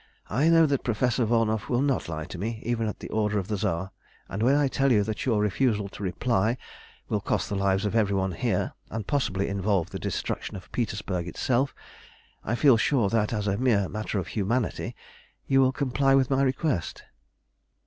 "I know that Professor Volnow will not lie to me, even at the order of the Tsar, and when I tell you that your refusal to reply will cost the lives of every one here, and possibly involve the destruction of Petersburg itself, I feel sure that, as a mere matter of humanity, you will comply with my request."